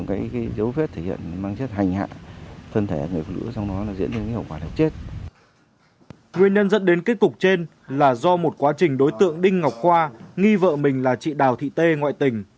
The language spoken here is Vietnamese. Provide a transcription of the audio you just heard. nguyên nhân dẫn đến kết cục trên là do một quá trình đối tượng đinh ngọc khoa nghi vợ mình là chị đào thị tê ngoại tình